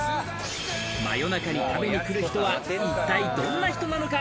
真夜中に食べに来る人は一体どんな人なのか？